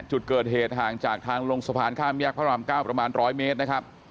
จุดเกิดเหตุห่างจากทางลงสะพานข้ามแยกพระราม๙ประมาณ๑๐๐เมตรนะครับ